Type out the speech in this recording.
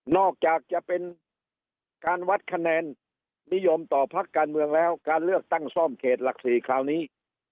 อกจากจะเป็นการวัดคะแนนนิยมต่อพักการเมืองแล้วการเลือกตั้งซ่อมเขตหลัก๔คราวนี้